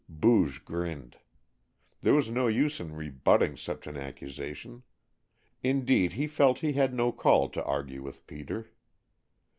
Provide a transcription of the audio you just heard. Booge grinned. There was no use in rebutting such an accusation. Indeed, he felt he had no call to argue with Peter.